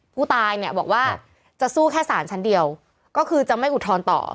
ผู้ตายเนี่ยบอกว่าจะสู้แค่สารชั้นเดียวก็คือจะไม่อุทธรณ์ต่อ